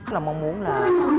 mình mong muốn là